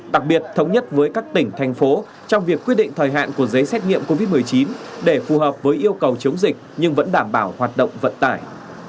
đặc biệt thống nhất với các tỉnh thành phố trong việc quyết định thời hạn của giấy xét nghiệm covid một mươi chín để phù hợp với yêu cầu chống dịch nhưng vẫn đảm bảo hoạt động vận tải